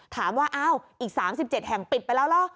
ถามว่าอ้าวอีก๓๗แห่งปิดไปแล้วเหรอ